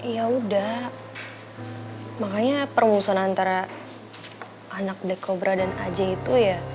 ya udah makanya perungusan antara anak black cobra dan aj itu ya